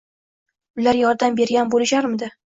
Ular yordam bergan bo`lisharmidi